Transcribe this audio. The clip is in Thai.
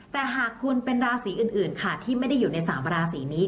แต่หากคุณเป็นราศีอื่นค่ะที่ไม่ได้อยู่ใน๓ราศีนี้